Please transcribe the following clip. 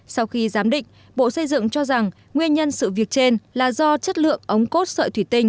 sau khi giám định bộ xây dựng cho rằng nguyên nhân sự việc trên là do chất lượng ống cốt sợi thủy tinh